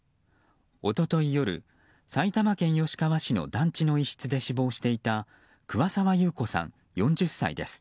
一昨日夜、埼玉県吉川市の団地の一室で死亡していた桑沢優子さん、４０歳です。